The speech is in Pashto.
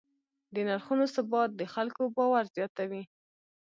د نرخونو ثبات د خلکو باور زیاتوي.